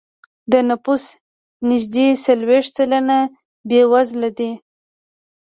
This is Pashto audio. د نفوسو نږدې څلوېښت سلنه بېوزله دی.